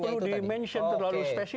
iya itu tidak perlu di mention terlalu spesifik